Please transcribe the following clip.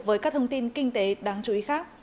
với các thông tin kinh tế đáng chú ý khác